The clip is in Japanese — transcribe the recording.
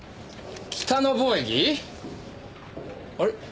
あれ？